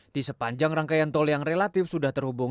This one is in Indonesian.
di sepanjang rangkaian tol yang relatif sudah terhubung